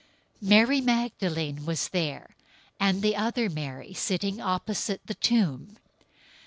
027:061 Mary Magdalene was there, and the other Mary, sitting opposite the tomb.